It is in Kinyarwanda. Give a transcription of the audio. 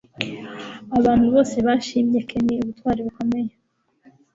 Abantu bose bashimye Ken ubutwari bukomeye